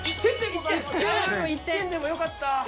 １点でもよかった。